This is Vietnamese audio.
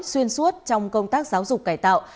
xuyên suốt trong công tác giáo dục cải tạo